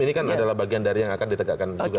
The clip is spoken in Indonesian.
ini kan adalah bagian dari yang akan ditegakkan juga